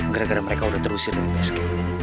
gara gara mereka udah terus sikal